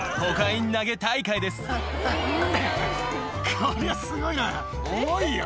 こりゃすごいな重いよ。